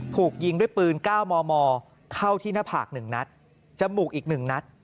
ถูกยิงด้วยปืน๙มมเข้าที่หน้าผาก๑นัดจมูกอีก๑นัด